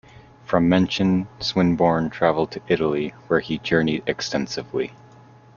From Menton, Swinburne travelled to Italy, where he journeyed extensively.